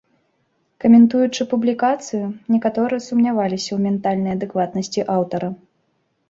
Каментуючы публікацыю, некаторыя сумняваліся ў ментальнай адэкватнасці аўтара.